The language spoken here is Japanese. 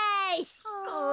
あ。